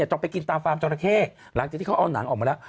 ต้องไปกินตามฟาร์มจราเข้หลังจากที่เขาเอาหนังออกมาแล้ว